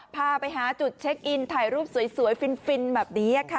พาไปหาจุดเช็คอินถ่ายรูปสวยฟินแบบนี้ค่ะ